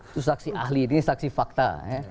itu saksi ahli ini saksi fakta